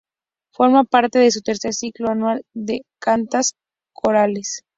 Forma parte de su tercer ciclo anual de cantatas corales.